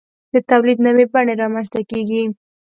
د تولید نوې بڼه رامنځته کیږي.